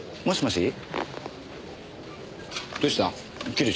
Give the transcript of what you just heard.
「もしもし」